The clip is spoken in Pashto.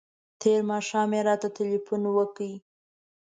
تېر ماښام یې راته تلیفون وکړ.